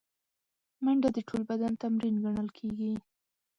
منډه د ټول بدن تمرین ګڼل کېږي